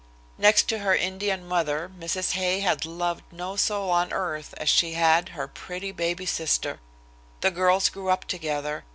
Next to her Indian mother, Mrs. Hay had loved no soul on earth as she had her pretty baby sister. The girls grew up together.